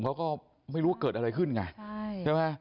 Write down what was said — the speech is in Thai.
เขาก็ไม่รู้ว่าเกิดอะไรขึ้นไงใช่ไหม